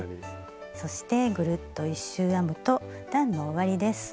そしてぐるっと１周編むと段の終わりです。